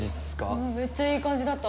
うんめっちゃいい感じだった。